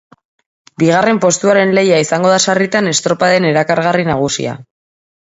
Bigarren postuaren lehia izango da sarritan, estropaden erakargarri nagusia.